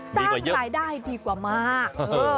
สร้างรายได้ดีกว่ามาก